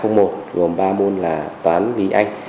gồm ba môn là toán lý anh